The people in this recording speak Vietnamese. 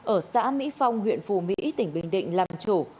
ở xã mỹ phong huyện phù mỹ tỉnh bình định làm chủ